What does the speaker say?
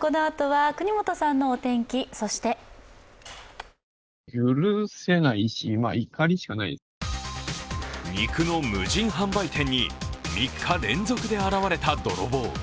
このあとは國本さんのお天気、そして肉の無人販売店に３日連続で現れた泥棒。